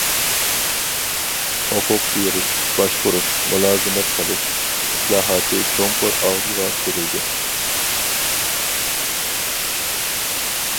« ھوقۇق بېرىش، باشقۇرۇش، مۇلازىمەت قىلىش» ئىسلاھاتى چوڭقۇر ئالغا سۈرۈلدى.